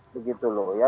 begitu loh ya